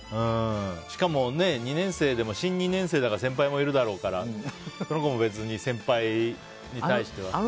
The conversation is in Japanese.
しかも、２年生でも新２年生だから先輩もいるだろうからその子も別に先輩に対しては。